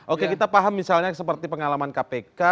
oke kita paham misalnya seperti pengalaman kpk